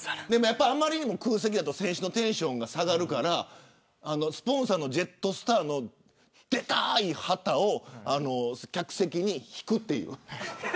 あまりにも空席だと選手のテンションが下がるからスポンサーのジェットスターのでかい旗を客席に敷くという。